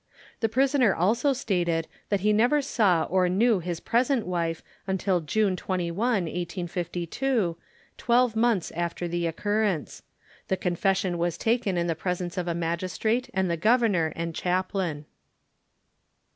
The prisoner also stated that he never saw or knew his present wife until June 21, 1852, twelve months after the occurrence. The confession was taken in the presence of a magistrate, and the governor and chaplain.